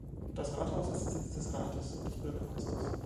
Das Rathaus ist Sitz des Rates und des Bürgermeisters.